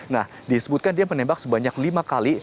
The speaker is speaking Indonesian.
nah disebutkan dia menembak sebanyak lima kali